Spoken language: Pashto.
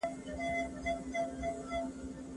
تاسو مه هېروئ چې ټولنه د خلګو له یوالي جوړېږي.